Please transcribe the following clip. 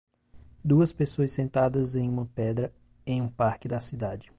Duas pessoas sentadas em uma pedra em um parque da cidade.